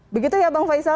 begitu ya bang faisal